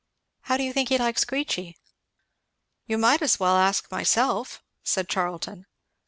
How do you think he likes Queechy?" "You might as well ask myself," said Charlton.